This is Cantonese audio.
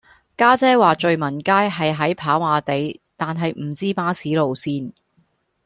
家姐話聚文街係喺跑馬地但係唔知巴士路線